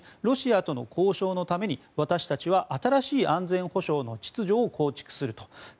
ロシアとの交渉のために私たちは新しい安全保障の秩序を構築すると。